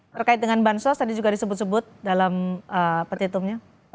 terkait dengan bansos tadi juga disebut sebut dalam petitumnya